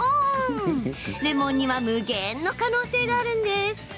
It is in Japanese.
レモンには無限の可能性があるんです。